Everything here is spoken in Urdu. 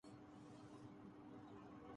حالانکہ اس نے تمہیں عالمین پر فضیلت دی ہے